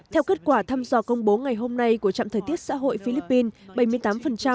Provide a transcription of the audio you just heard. theo kết quả thăm dò công bố ngày hôm nay của trạm thời tiết xã hội philippines